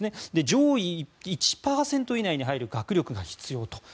上位１％以内に入る学力が必要と。